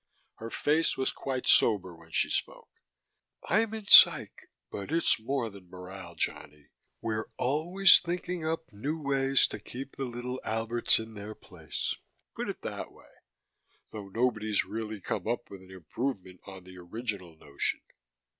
Her face was quite sober when she spoke. "I'm in Psych, but it's more than morale, Johnny. We're always thinking up new ways to keep the little Alberts in their place. Put it that way. Though nobody's really come up with an improvement on the original notion."